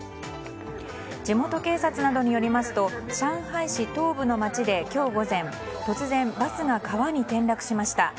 地元警察などによりますと上海市東部の町で今日午前、突然バスが川に転落しました。